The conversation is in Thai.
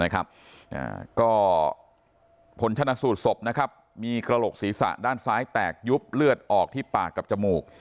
ก็ผลชนะสูตรศพนะครับมีกระโหลกศีรษะด้านซ้ายแตกยุบเลือดออกที่ปากกับจมูก